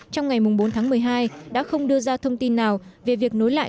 trong ngày bốn tháng một mươi hai đã không đưa ra thông tin nào về việc nối lại